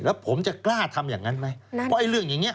แล้วผมจะกล้าทำอย่างนั้นไหมเพราะไอ้เรื่องอย่างนี้